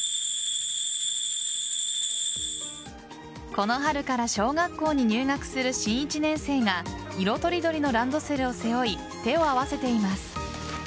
この春から小学校に入学する新１年生が色とりどりのランドセルを背負い手を合わせています。